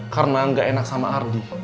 karena gak enak sama ardi